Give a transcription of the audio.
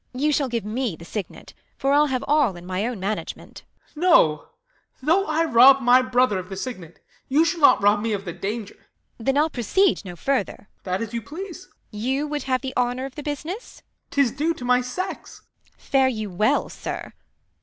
Beat. You shall give me the signet, for I'll have All in my own management. 152 THE LAW AGAINST LOVERS. Ben. No, though I rob my brother of the signet, You shall not rol> me of the danger. Beat. Then I'll proceed no further. Ben. That as you please. Beat. You would have the honour of the business 1 Ben. 'Tis due to my sex. Beat. Fare you well, sir